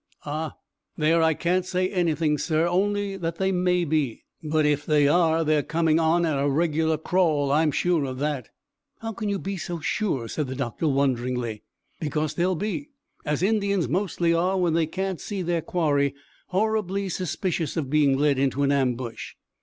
"Ah, there I can't say anything, sir, only that they may be. But if they are, they're coming on at a regular crawl; I am sure of that." "How can you be sure?" said the doctor wonderingly. "Because they'll be, as Indians mostly are when they can't see their quarry, horribly suspicious of being led into an ambush."